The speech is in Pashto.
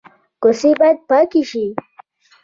کوڅې باید پاکې شي